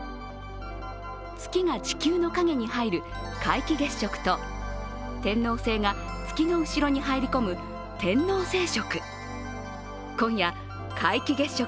月が地球の影に入る皆既月食と天王星が月の後ろに入り込む天王星食。